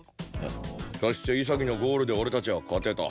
そして潔のゴールで俺たちは勝てた。